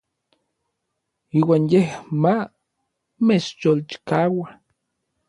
Iuan yej ma mechyolchikaua.